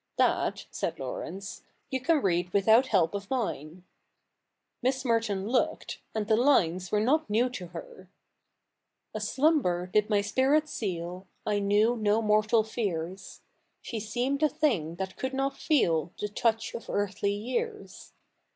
' That,' said Laurence, ' you can read without help of mine.' Miss Merton looked ; and the lines were not new to her :— A slumber did my spirit seal, I knew no mortal fears. She seemed a thing that could not feel The touch of earthly years.